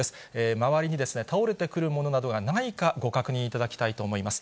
周りに倒れてくるものなどがないか、ご確認いただきたいと思います。